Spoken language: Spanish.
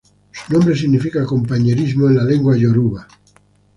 Su nombre significa "compañerismo" en el idioma yoruba.